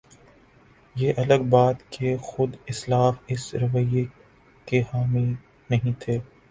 یہ الگ بات کہ خود اسلاف اس رویے کے حامی نہیں تھے۔